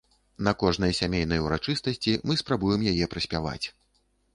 На кожнай сямейнай урачыстасці мы спрабуем яе праспяваць.